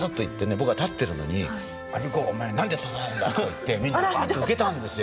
僕は立ってるのに「安孫子！お前何で立たないんだ」とか言ってバーッてウケたんですよ。